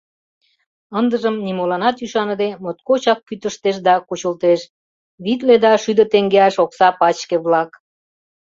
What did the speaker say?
Ындыжым нимоланат ӱшаныде, моткочак кӱтыштеш да кучылтеш: витле да шӱдӧ теҥгеаш окса пачке-влак...